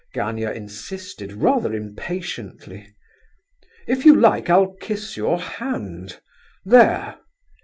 Gania insisted, rather impatiently. "If you like, I'll kiss your hand. There!"